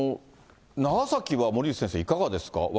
長崎は森内先生、いかがですか？